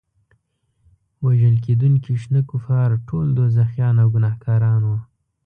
وژل کېدونکي شنه کفار ټول دوزخیان او ګناهګاران وو.